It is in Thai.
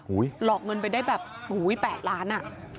หลอกเงินไปได้แบบ๘ล้านอ่ะ